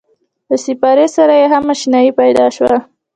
له سپارې سره یې هم اشنایي پیدا شوه.